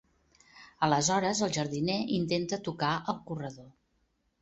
Aleshores el jardiner intenta tocar el corredor.